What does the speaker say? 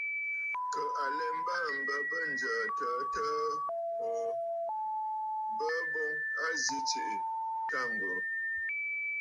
Kə̀ à lɛ mbaà m̀bə bə ǹjə̀ə̀ təə təə ò, bəə boŋ a zi tsiꞌì taaŋgɔ̀ŋə̀.